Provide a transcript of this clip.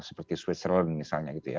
seperti switzerland misalnya